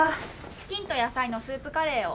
チキンと野菜のスープカレーを。